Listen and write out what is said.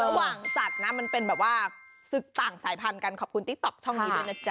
สัตว์นะมันเป็นแบบว่าศึกต่างสายพันธุ์กันขอบคุณติ๊กต๊อกช่องนี้ด้วยนะจ๊